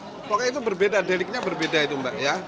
pokoknya itu berbeda deliknya berbeda itu mbak ya